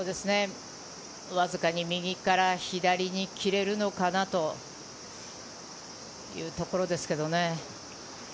わずかに右から左に切れるのかなというところですけどね。